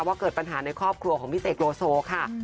เกิดปัญหาในครอบครัวของพี่เสกโลโซค่ะ